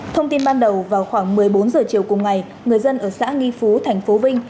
thông tin ban đầu vào khoảng một mươi bốn h chiều cùng ngày người dân ở xã nghi phú thành phố vinh